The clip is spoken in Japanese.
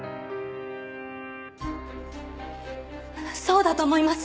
そうだと思います！